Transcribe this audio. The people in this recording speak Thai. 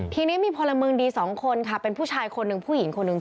ทีนี้มีพลเมืองดีสองคนค่ะเป็นผู้ชายคนหนึ่งผู้หญิงคนหนึ่ง